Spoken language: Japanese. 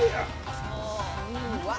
うわ